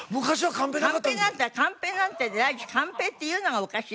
カンペなんてカンペなんて第一カンペっていうのがおかしいでしょ？